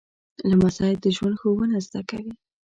لمسی د ژوند ښوونه زده کوي.